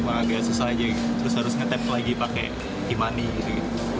agak susah aja terus harus nge tap lagi pakai e money gitu